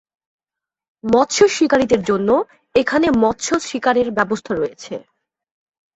মৎস্য শিকারীদের জন্য এখানে মৎস্য শিকারের ব্যবস্থা রয়েছে।